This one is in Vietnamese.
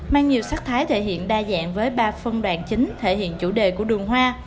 mang nhiều sắc thái thể hiện đa dạng với ba phân đoạn chính thể hiện chủ đề của đường hoa